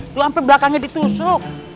itu sampai belakangnya ditusuk